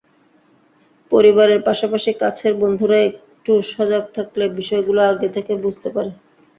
পরিবারের পাশাপাশি কাছের বন্ধুরা একটু সজাগ থাকলে বিষয়গুলো আগে থেকে বুঝতে পারে।